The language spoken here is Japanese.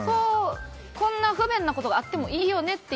こんな不便なことがあってもいいよねって